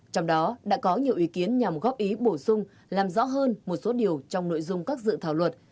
trong đó đã có nhiều ý kiến nhằm góp ý bổ sung làm rõ hơn một số điều trong nội dung các dự thảo luật